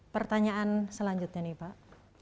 pertanyaan selanjutnya nih pak